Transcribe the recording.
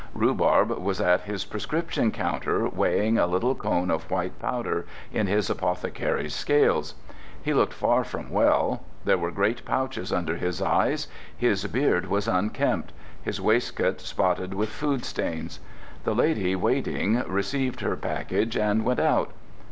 Rhubarb was at his prescription counter weighing a little cone of white powder in his apothecary's scales. He looked far from well. There were great pouches under his eyes; his beard was unkempt; his waistcoat spotted with food stains. The lady waiting received her package, and went out.